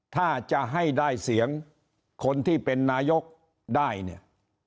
ถ้าจะให้ได้เสียงคนที่เป็นนายกได้เนี่ย